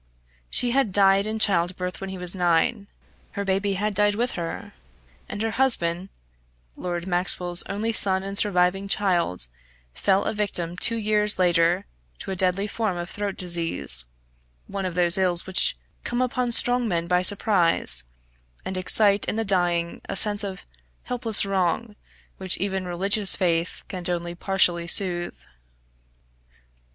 She had died in childbirth when he was nine; her baby had died with her, and her husband, Lord Maxwell's only son and surviving child, fell a victim two years later to a deadly form of throat disease, one of those ills which come upon strong men by surprise, and excite in the dying a sense of helpless wrong which even religious faith can only partially soothe.